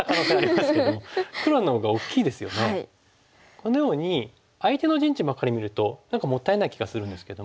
このように相手の陣地ばっかり見ると何かもったいない気がするんですけども。